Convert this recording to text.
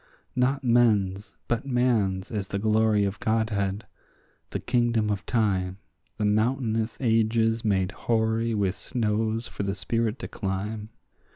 Not men's but man's is the glory of godhead, the kingdom of time, The mountainous ages made hoary with snows for the spirit to climb.